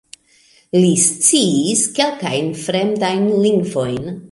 Li sciis kelkajn fremdajn lingvojn.